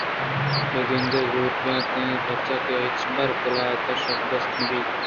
بہ گندے زوت بئیت اِنت پرچا کہ آ ہچبر قلاتءَ شپ دست نہ بیت